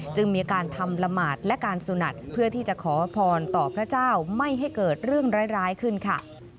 จึงมีอาการทำละหมาดและการสุนัทเพื่อที่จะขอพรต่อพระเจ้าไม่ให้เกิดเรื่องร้ายขึ้นค่ะ